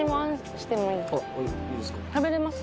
食べれます？